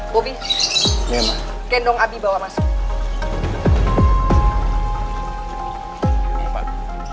bobi gendong api bawa masuk